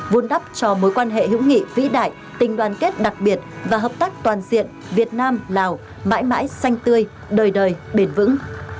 vun đắp cho mối quan hệ hữu nghị vĩ đại tình đoàn kết đặc biệt và hợp tác toàn diện việt nam lào mãi mãi xanh tươi đời đời bền vững